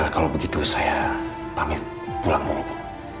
kalau begitu saya pamit pulang dulu bu